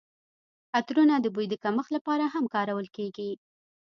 عطرونه د بوی د کمښت لپاره هم کارول کیږي.